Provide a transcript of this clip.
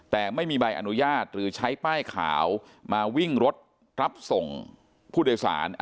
แต่ไม่มีใบอนุญาตหรือใช้ป้ายขาวมาวิ่งรถรับส่งผู้โดยสาร